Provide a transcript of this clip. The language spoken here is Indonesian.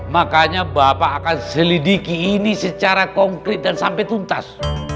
makanya bapak akan selidiki ini secara konkret dan sampai tuntas